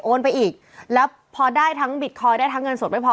ไปอีกแล้วพอได้ทั้งบิตคอยน์ได้ทั้งเงินสดไม่พอ